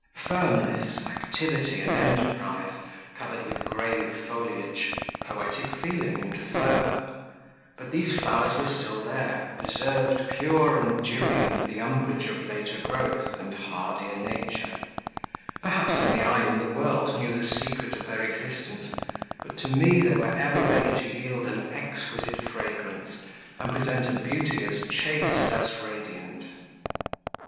Firmness, activity, and enterprise, covered with grave foliage, poetic feeling and fervour; but these flowers were still there, preserved pure and dewy under the umbrage of later growth and hardier nature: perhaps I only in the world knew the secret of their existence, but to me they were ever ready to yield an exquisite fragrance and present a beauty as chaste as radiant.